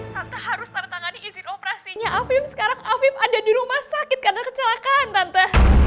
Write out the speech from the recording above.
tante harus tanda tangani izin operasinya afif sekarang afif ada di rumah sakit karena kecelakaan tanta